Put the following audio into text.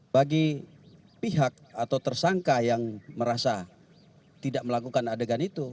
bagi pihak atau tersangka yang merasa tidak melakukan adegan itu